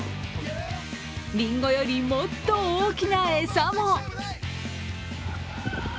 りんごより、もっと大きな餌も。